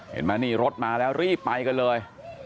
เห็นไหมนี่รถมาแล้วรีบไปกันเลย